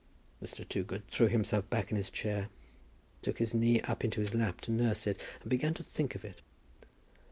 Mr. Toogood threw himself back in his chair, took his knee up into his lap to nurse it, and began to think of it.